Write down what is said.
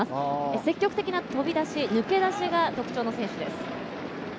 積極的な飛び出し、抜け出しが特徴の選手です。